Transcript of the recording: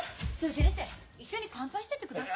先生一緒に乾杯してってくださいよ。